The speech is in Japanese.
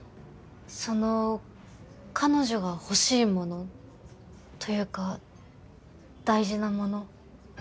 その彼女が欲しいものというか大事なもの